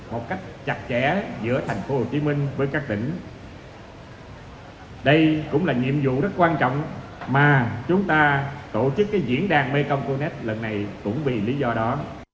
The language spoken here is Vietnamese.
một cách chặt chẽ giữa thành phố hồ chí minh với các tỉnh đây cũng là nhiệm vụ rất quan trọng mà chúng ta tổ chức cái diễn đàn mekong connect lần này cũng vì lý do đó